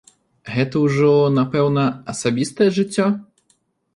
Гэта ўжо, напэўна, асабістае жыццё?